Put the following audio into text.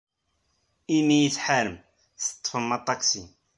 Imi ay tḥarem, teḍḍfem aṭaksi.